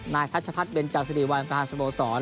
ทัชพัฒนเบนจาสิริวัลประธานสโมสร